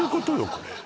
これ？